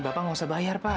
bapak nggak usah bayar pak